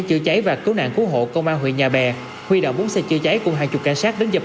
chữa cháy và cứu nạn cứu hộ công an huyện nhà bè huy động bốn xe chữa cháy cùng hàng chục cảnh sát đến dập